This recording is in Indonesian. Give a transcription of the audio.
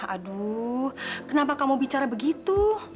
aduh kenapa kamu bicara begitu